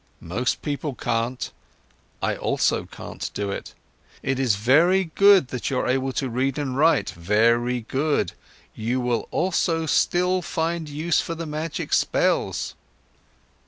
"Most people can't. I also can't do it. It is very good that you're able to read and write, very good. You will also still find use for the magic spells."